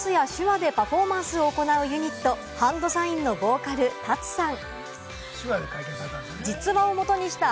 お相手はダンスや手話でパフォーマンスを行うユニット・ＨＡＮＤＳＩＧＮのボーカル・ＴＡＴＳＵさん。